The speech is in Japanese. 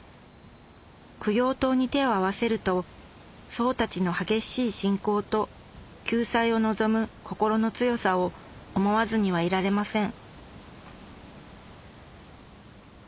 供養塔に手を合わせると僧たちの激しい信仰と救済を望む心の強さを思わずにはいられません